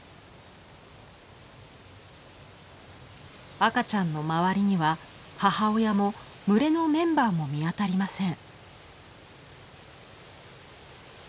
赤ちゃんの周りには母親も群れのメンバーも見当たりません。